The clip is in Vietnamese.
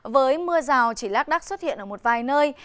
với mưa rào chỉ lác đắc xuất hiện ở một vài nơi